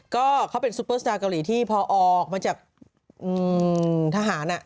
ก็เขาเป็นซุปเปอร์สตาร์เกาหลีที่พอออกมาจากทหาร